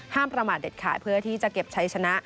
ประมาทเด็ดขาดเพื่อที่จะเก็บชัยชนะ